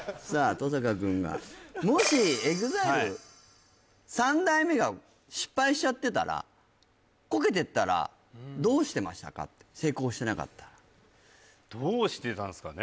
登坂君がもしＥＸＩＬＥ三代目が失敗しちゃってたらコケてたらどうしてましたかって成功してなかったらどうしてたんですかね？